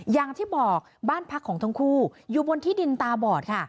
อย่างที่บอกบ้านพักของทั้งคู่อยู่บนที่ดินตาบอดค่ะ